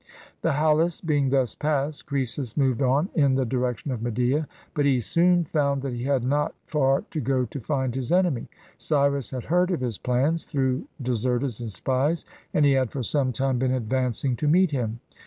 The Halys being thus passed, Croesus moved on in the direction of Media. But he soon found that he had not far to go to find his enemy. Cyrus had heard of his plans through deserters and spies, and he had for some time been advancing to meet him.